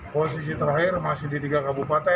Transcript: posisi terakhir masih di tiga kabupaten